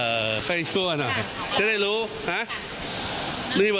เออคุณคิดกว่าหน่อยจะได้รู้